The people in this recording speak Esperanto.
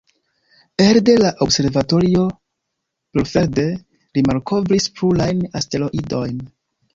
Elde la Observatorio Brorfelde, li malkovris plurajn asteroidojn.